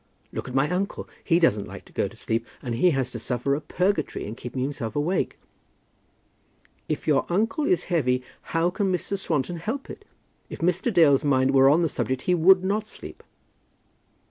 "Look at my uncle; he doesn't like to go to sleep, and he has to suffer a purgatory in keeping himself awake." "If your uncle is heavy, how can Mr. Swanton help it? If Mr. Dale's mind were on the subject he would not sleep."